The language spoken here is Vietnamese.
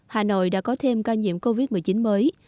hà nội đã có thêm ca nhiễm covid một mươi chín mới